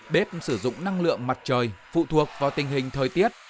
bếp sử dụng năng lượng mặt trời phụ thuộc vào tình hình thời tiết